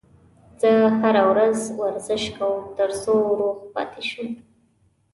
زه هره ورځ ورزش کوم ترڅو روغ پاتې شم